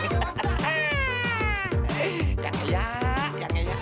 hujan kali ya panas banget ya